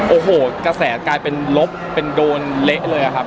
โอ้โหกระแสกลายเป็นลบเป็นโดนเละเลยอะครับ